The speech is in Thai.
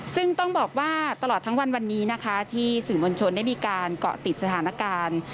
ซึ่งต้องบอกว่าตลอดทั้งวันวันนี้นะคะที่สื่อมวลชนได้มีการเกาะติดสถานการณ์